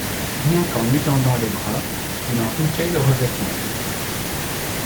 Rien qu’en étendant les bras, il en touchait le revêtement.